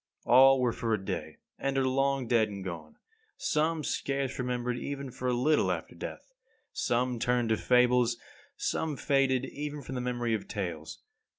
All were for a day, and are long dead and gone; some scarce remembered even for a little after death; some turned to fables; some faded even from the memory of tales.